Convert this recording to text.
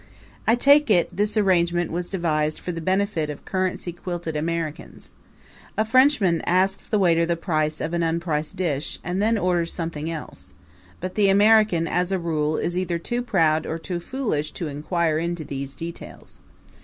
I take it this arrangement was devised for the benefit of currency quilted Americans. A Frenchman asks the waiter the price of an unpriced dish and then orders something else; but the American, as a rule, is either too proud or too foolish to inquire into these details.